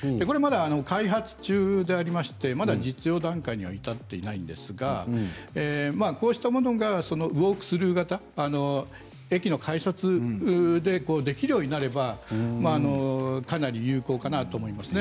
まだ開発中でありまして実用段階には至っていないですがウォークスルー型、駅の改札でできるようになればかなり有効かなと思います。